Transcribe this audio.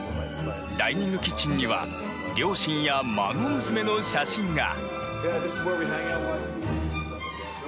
ダイニングキッチンには両親や孫娘の写真が。